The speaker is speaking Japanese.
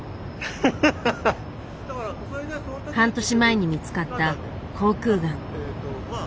半年前に見つかった口腔がん。